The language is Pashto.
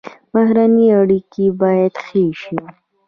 بهرنۍ اړیکې باید ښې شي